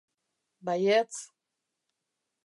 Baietz.